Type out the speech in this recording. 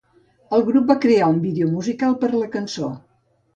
El grup va crear un vídeo musical per a la cançó.